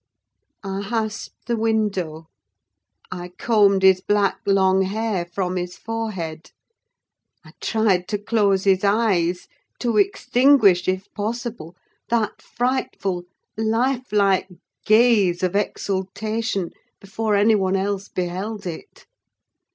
I hasped the window; I combed his black long hair from his forehead; I tried to close his eyes: to extinguish, if possible, that frightful, life like gaze of exultation before any one else beheld it.